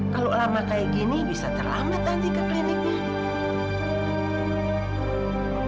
kalau lama kayak gini bisa terlambat nanti ke kliniknya